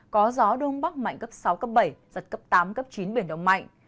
có gió đông bắc mạnh cấp sáu cấp bảy giật cấp tám cấp chín biển động mạnh